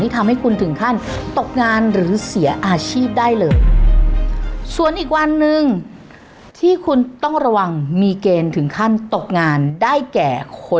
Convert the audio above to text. ทำให้คุณถึงขั้นตกงานหรือเสียอาชีพได้เลยส่วนอีกวันหนึ่งที่คุณต้องระวังมีเกณฑ์ถึงขั้นตกงานได้แก่คน